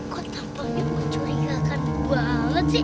kok tampaknya mencurigakan banget sih